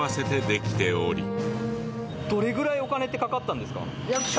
どれぐらいお金って掛かったんですか？